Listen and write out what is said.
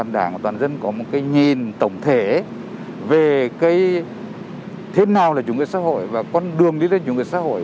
nhìn tổng thể về thế nào là chủ nghĩa xã hội và con đường đi lên chủ nghĩa xã hội